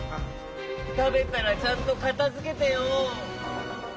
たべたらちゃんとかたづけてよ。